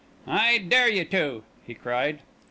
"I dare you to," he cried.